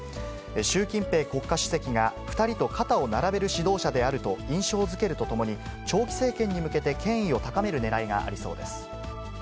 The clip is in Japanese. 習近平国家主席が２人と肩を並べる指導者であると印象づけるとともに、長期政権に向けて権威を高めるねらいがありそうです。